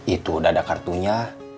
itu udah ada kartunya